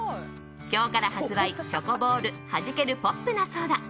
今日から発売、チョコボールはじけるポップなソーダ。